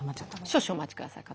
少々お待ちください。